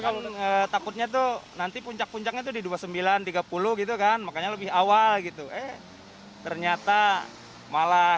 kalau takutnya tuh nanti puncak puncaknya itu di dua puluh sembilan tiga puluh gitu kan makanya lebih awal gitu eh ternyata malah